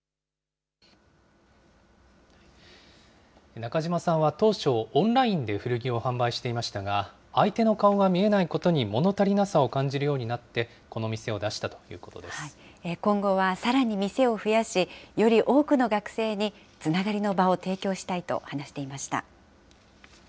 中島さんは当初、オンラインで古着を販売していましたが、相手の顔が見えないことにもの足りなさを感じるようになって、こ今後はさらに店を増やし、より多くの学生につながりの場を提供したいと話していました。